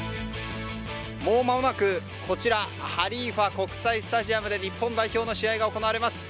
もうまもなく、こちらハリーファ国際スタジアムで日本代表の試合が行われます。